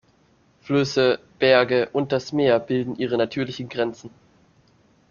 Flüsse, Berge und das Meer bilden ihre natürlichen Grenzen.